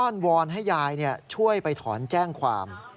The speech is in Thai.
้อนวอนให้ยายช่วยไปถอนแจ้งความ